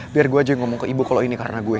biar gue aja yang ngomong ke ibu kalau ini karena gue